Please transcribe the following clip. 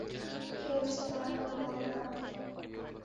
কী হচ্ছে, দয়া করে বলবেন আমাকে?